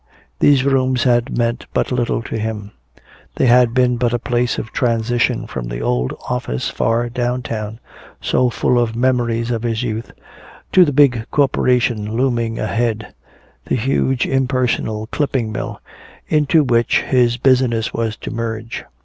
These rooms had meant but little to him; they had been but a place of transition from the old office far downtown, so full of memories of his youth, to the big corporation looming ahead, the huge impersonal clipping mill into which his business was to merge.